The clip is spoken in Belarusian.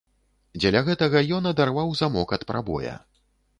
Дзеля гэтага ён адарваў замок ад прабоя.